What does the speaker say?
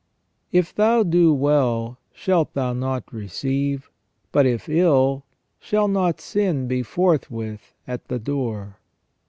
If thou do well, shalt thou not receive ? But if ill, shall not sin be forthwith at the door